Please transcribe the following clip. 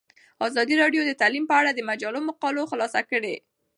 ازادي راډیو د تعلیم په اړه د مجلو مقالو خلاصه کړې.